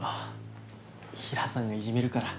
平良さんがいじめるから。